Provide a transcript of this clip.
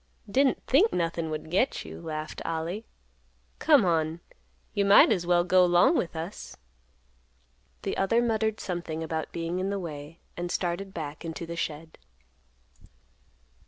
"Didn't think nothin' would get you," laughed Ollie. "Come on, you might as well go 'long with us." The other muttered something about being in the way, and started back into the shed.